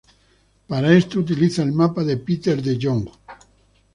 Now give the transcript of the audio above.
Para esto utiliza el mapa de Peter de Jong.